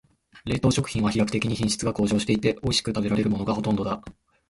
冷凍食品は飛躍的に品質が向上していて、おいしく食べられるものがほとんどだ。